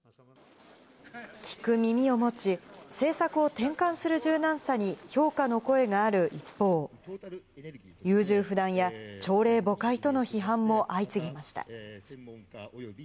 聞く耳を持ち、政策を転換する柔軟さに、評価の声がある一方、優柔不断や朝令暮改との批判も相次ぎました。